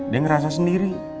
dia ngerasa sendiri